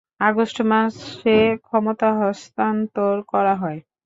August মাসে ক্ষমতা হস্তান্তর করা হয়।